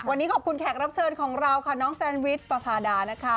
วันนี้ขอบคุณแขกรับเชิญของเราค่ะน้องแซนวิชประพาดานะคะ